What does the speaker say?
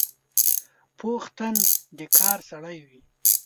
پوخ تن د کار سړی وي